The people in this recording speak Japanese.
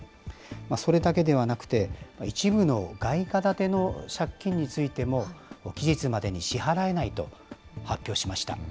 それだけではなくて、一部の外貨建ての借金についても、期日までに支払えないと発表しました。